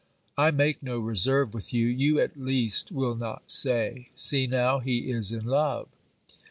I make no reserve with you ; you at least will not say, See now, he is in love